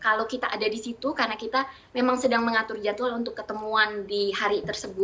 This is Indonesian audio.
kalau kita ada di situ karena kita memang sedang mengatur jadwal untuk ketemuan di hari tersebut